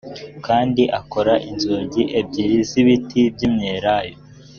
kandi akora inzugi ebyiri z ibiti by imyelayo